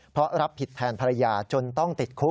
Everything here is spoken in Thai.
เพราะรับผิดแทนภรรยาจนต้องติดคุก